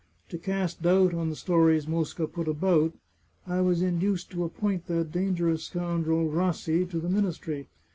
To cast doubt on the stories Mosca put about, I was induced to ap point that dangerous scoundrel Rassi to the ministry.